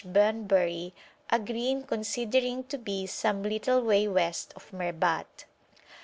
Bunbury, agree in considering to be some little way west of Merbat.